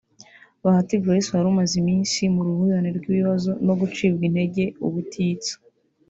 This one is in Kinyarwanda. Bahati Grace wari umaze iminsi mu ruhurirane rw’ibibazo no gucibwa intege ubutitsa